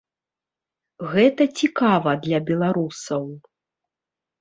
Гэта цікава для беларусаў.